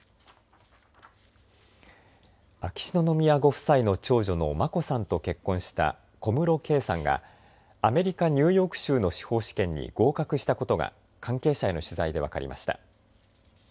秋篠宮ご夫妻の長女の眞子さんと結婚した小室圭さんがアメリカ・ニューヨーク州の司法試験に合格したことが関係者への取材で分かりました。